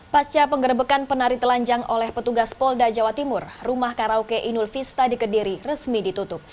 pasca penggerbekan penari telanjang oleh petugas polda jawa timur rumah karaoke inul vista di kediri resmi ditutup